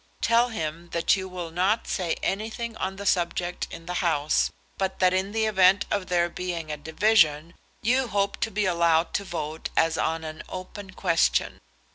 Tell him that you will not say anything on the subject in the House, but that in the event of there being a division you hope to be allowed to vote as on an open question.